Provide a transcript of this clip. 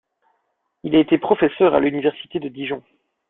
Il a été professeur à l'Université de Dijon.